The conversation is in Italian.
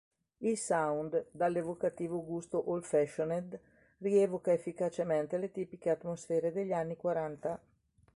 Il sound, dall'evocativo gusto old-fashioned, rievoca efficacemente le tipiche atmosfere degli anni quaranta.